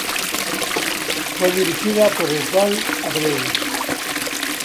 Fue dirigida por Herval Abreu.